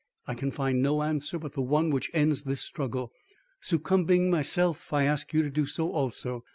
I can find no answer but the one which ends this struggle. Succumbing myself, I ask you to do so also.